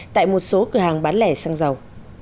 tại một số cửa hàng bán lẻ xăng dầu